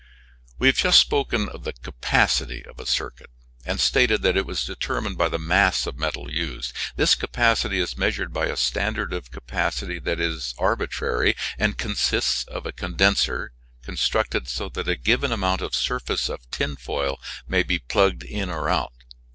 We have just spoken of the "capacity" of a circuit, and stated that it was determined by the mass of metal used. This capacity is measured by a standard of capacity that is arbitrary and consists of a condenser, constructed so that a given amount of surface of tin foil may be plugged in or out.